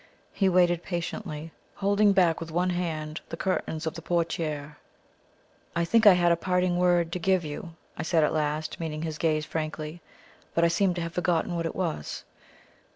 He waited patiently, holding back with one hand the curtains of the portiere. "I think I had a parting word to give you," I said at last, meeting his gaze frankly; "but I seem to have forgotten what it was."